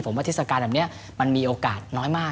ผมว่าเทศกาลแบบนี้มันมีโอกาสน้อยมาก